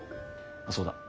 そうだ。